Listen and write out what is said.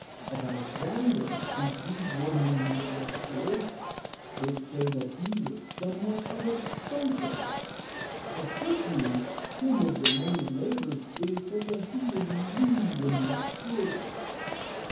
Of Alexander, whose deeds won him the name of Great, they say that he was somewhat of a drunkard. Of Hercules, him of the many labours, it is said that he was lewd and luxurious.